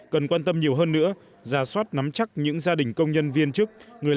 cần quan tâm nhiều hơn nữa giả soát nắm chắc những gia đình công nhân viên chức người